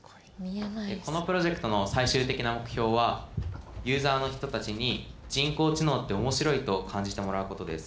このプロジェクトの最終的な目標はユーザーの人たちに人工知能って面白いと感じてもらうことです。